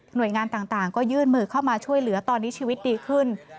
โดยงานต่างก็ยื่นมือเข้ามาช่วยเหลือตอนนี้ชีวิตดีขึ้น